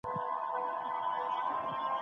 د ډيموکراسۍ ارزښتونه به په نړۍ کي خپرېږي.